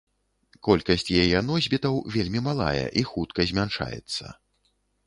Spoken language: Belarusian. Колькасць яе носьбітаў вельмі малая і хутка змяншаецца.